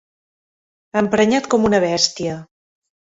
Emprenyat com una bèstia.